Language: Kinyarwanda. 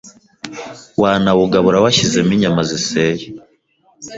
wanawugabura washyizemo inyama ziseye.